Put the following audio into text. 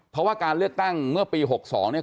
เพราะว่าการเลือกตั้งเมื่อปี๖๒เนี่ย